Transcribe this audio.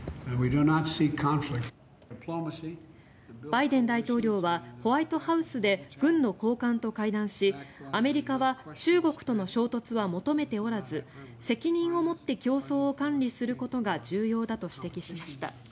バイデン大統領はホワイトハウスで軍の高官と会談しアメリカは中国との衝突は求めておらず責任を持って競争を管理することが重要だと指摘しました。